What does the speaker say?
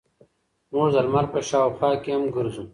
موږ د لمر په شاوخوا کې هم ګرځو.